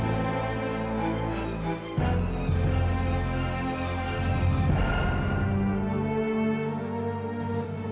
apa yang kamu lakukan